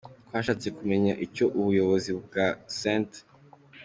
Twashatse kumenya icyo ubuyobozi bwa St.